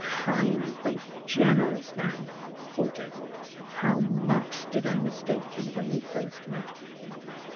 "Kind and generous man!" thought Edward; "how much did I mistake you when we first met!"